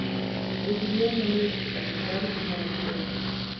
Recibió el nombre de su capital Maracaibo.